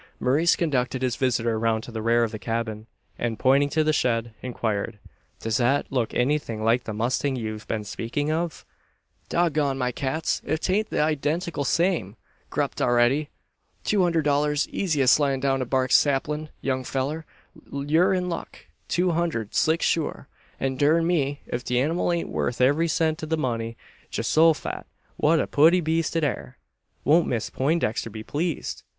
Maurice conducted his visitor round to the rear of the cabin; and, pointing into the shed, inquired "Does that look anything like the mustang you've been speaking of?" "Dog gone my cats, ef 'taint the eyedenticul same! Grupped already! Two hunderd dollars, easy as slidin' down a barked saplin'! Young fellur, yur in luck: two hunderd, slick sure! and durn me, ef the anymal ain't worth every cent o' the money! Geehosofat! what a putty beest it air! Won't Miss Peintdexter be pleezed!